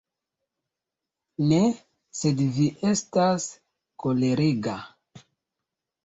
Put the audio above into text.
Ne, sed vi estas kolerega.